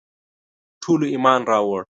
ټولو ایمان راووړ.